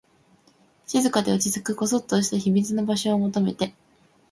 静かで、落ち着く、こそっとした秘密の場所を求めて